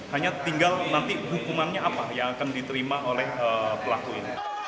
hanya tinggal nanti hukumannya apa yang akan diterima oleh pelaku ini